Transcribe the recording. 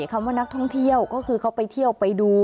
คำว่านักท่องเที่ยวก็คือเขาไปเที่ยวไปดู